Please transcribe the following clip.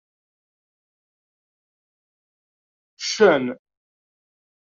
Ccan.